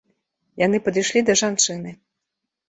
Яны падышлі да жанчыны.